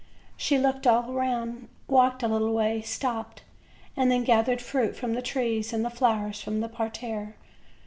She looked all round, walked a little way, stopped, and then gathered fruit from the trees and flowers from the parterre.